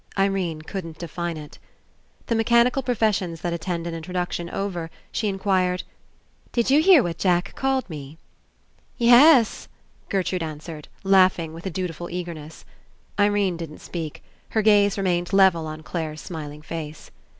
Irene couldn't define It. The mechanical professions that attend 66 ENCOUNTER an introduction over, she inquired: *'Did you hear what Jack called me?'^ *'Yes," Gertrude answered, laughing with a dutiful eagerness. Irene didn't speak. Her gaze remained level on Clare's smiling face.